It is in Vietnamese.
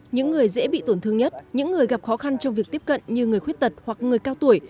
những người dễ bị tổn thương nhất những người gặp khó khăn trong việc tiếp cận như người khuyết tật hoặc người cao tuổi